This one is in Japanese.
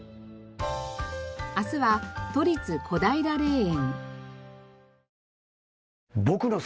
明日は都立小平霊園。